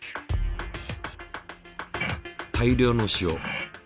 大量の塩。